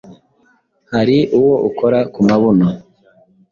Hari uwo ukora ku mabuno